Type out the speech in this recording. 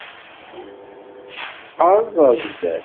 Aẓ ar zdat.